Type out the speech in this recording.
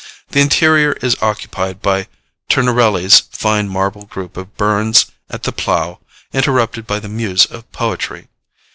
The interior is occupied by Turnerelli's fine marble group of Burns at the plough, interrupted by the Muse of Poetry.